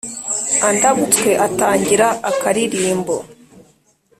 andabutswe atangira akaririmbo,